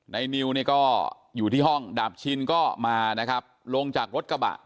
นิวเนี่ยก็อยู่ที่ห้องดาบชินก็มานะครับลงจากรถกระบะ